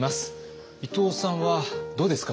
伊藤さんはどうですか？